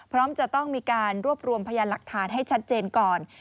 พร้อมจะต้องมีการรวบรวมพยานหลักฐานให้ชัดเจนก่อน